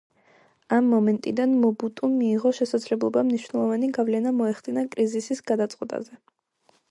ამ მომენტიდან მობუტუმ მიიღო შესაძლებლობა მნიშვნელოვანი გავლენა მოეხდინა კრიზისის გადაწყვეტაზე.